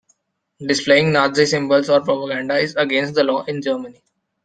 Displaying Nazi symbols or propaganda is against the law in Germany.